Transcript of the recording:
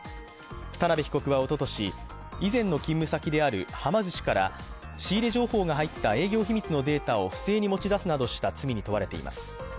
田辺被告はおととし、以前の勤務先であるはま寿司から仕入れ情報が入った営業秘密のデータを不正に持ち出すなどした罪に問われています。